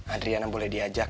adriana boleh diajak